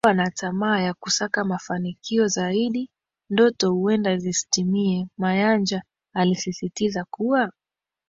kuwa na tamaa ya kusaka mafanikio zaidi ndoto huenda zisitimie Mayanja alisisitiza kuwa